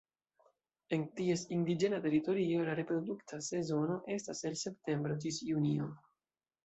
En ties indiĝena teritorio la reprodukta sezono estas el septembro ĝis junio.